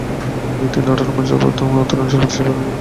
তিনি আঠারো মাস যাবত উত্তরাঞ্চলীয় প্রদেশগুলোতে অবস্থান করেছিলেন।